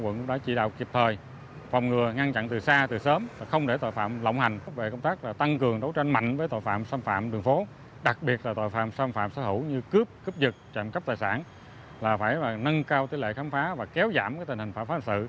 nâng cao tỷ lệ khám phá và kéo giảm tình hình phá phá hình sự